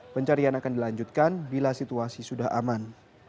pencarian akan dilanjutkan bila situasi sudah aman